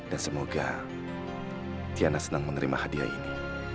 dan semoga tiana senang menerima hadiah ini